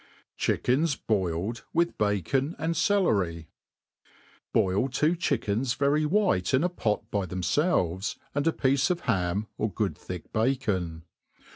Chickens toiled with Bacon and Celery* BOlL two chickens very white in a pot by themfelves, anq a piece of ham, or good thick bacon